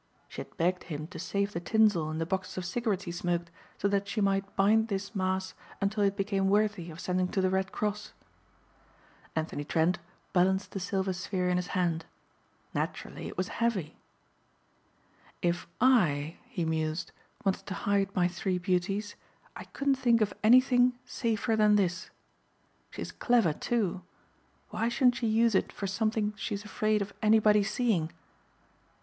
She had begged him to save the tinsel in the boxes of cigarettes he smoked so that she might bind this mass until it became worthy of sending to the Red Cross. Anthony Trent balanced the silver sphere in his hand. Naturally it was heavy. "If I," he mused, "wanted to hide my three beauties I couldn't think of anything safer than this. She's clever, too. Why shouldn't she use it for something she's afraid of anybody seeing?"